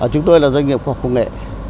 chúng tôi là doanh nghiệp khoa học công nghệ